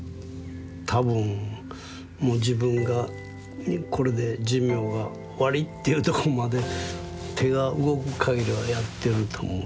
多分もう自分がこれで寿命が終わりっていうとこまで手が動くかぎりはやってると思いますね。